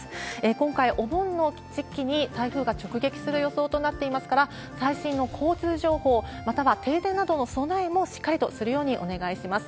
今回、お盆の時期に台風が直撃する予想となっていますから、最新の交通情報、または停電などの備えもしっかりとするようにお願いします。